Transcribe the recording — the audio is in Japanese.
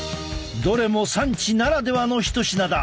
どれも産地ならではの一品だ！